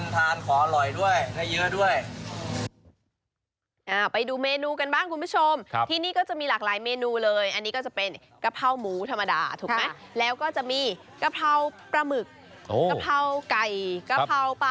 ตอนนี้ยุคเศรษฐกิจของมันมันจะไม่ค่อยดีอะครับ